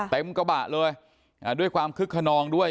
เต็มกระบะเลยด้วยความคึกขนองด้วย